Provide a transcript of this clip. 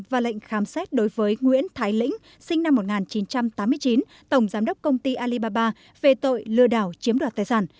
và lệnh khám xét đối với nguyễn thái lĩnh sinh năm một nghìn chín trăm tám mươi chín tổng giám đốc công ty alibaba về tội lừa đảo chiếm đoạt tài sản